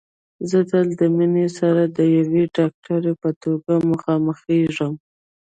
زه تل د مينې سره د يوه ډاکټر په توګه مخامخېږم